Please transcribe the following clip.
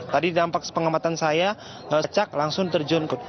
tadi dampak pengamatan saya cak langsung terjun